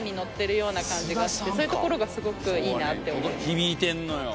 響いてんのよ。